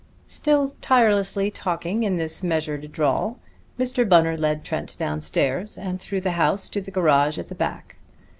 Still tirelessly talking in his measured drawl, Mr. Bunner led Trent downstairs and through the house to the garage at the back.